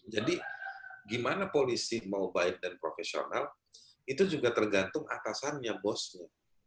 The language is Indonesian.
jadi gimana polisi mau baik dan profesional itu juga tergantung atasannya bosnya